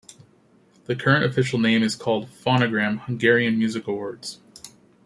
The current official name is called "Fonogram - Hungarian Music Awards".